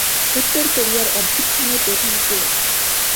উত্তর কোরিয়ার অভ্যুত্থানের প্রধান কে?